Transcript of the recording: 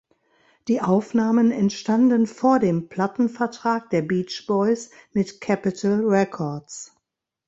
Die Aufnahmen entstanden vor dem Plattenvertrag der Beach Boys mit Capitol Records.